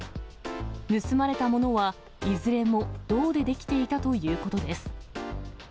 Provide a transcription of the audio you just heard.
盗まれたものは、いずれも銅で出来ていたということです。